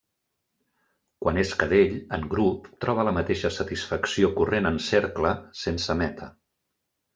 Quan és cadell, en grup, troba la mateixa satisfacció corrent en cercle, sense meta.